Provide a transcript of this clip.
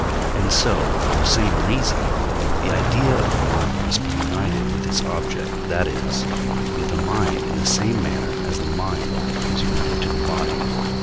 and so for the same reason the idea of the mind must be united with its object, that is, with the mind in the same manner as the mind is united to the body.